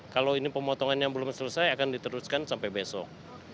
kalau ini pemotongan yang belum selesai akan diteruskan sampai besok